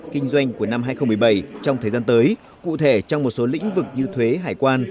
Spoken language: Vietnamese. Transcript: kinh doanh của năm hai nghìn một mươi bảy trong thời gian tới cụ thể trong một số lĩnh vực như thuế hải quan